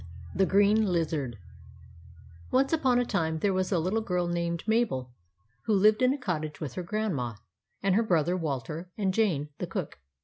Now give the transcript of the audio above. THE GREEN LIZARD ONCE upon a time there was a little girl named Mabel, who lived in a cottage with her Grandma, and her brother Walter, and Jane the cook.